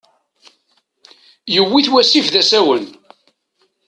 Yewwi-t wasif d asawen.